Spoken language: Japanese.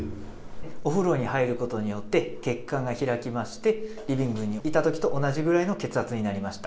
お風呂に入ることによって血管が開きまして、リビングにいたときと同じぐらいの血圧になりました。